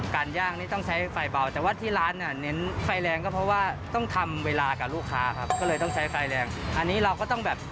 การย่างนี้ต้องใช้ไฟเบาแต่ว่าที่ร้านเน้นไฟแรงก็เพราะว่าต้องทำเวลากับลูกค้าครับก็เลยต้องใช้ไฟแรง